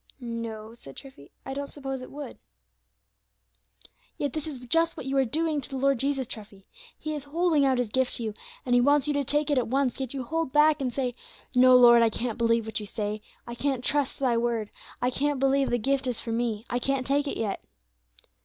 '" "No," said Treffy, "I don't suppose it would." "Yet this is just what you are doing to the Lord Jesus, Treffy. He is holding out His gift to you, and He wants you to take it at once, yet you hold back and say, 'No, Lord, I can't believe what you say, I can't trust Thy word, I can't believe the gift is for me, I can't take it yet.'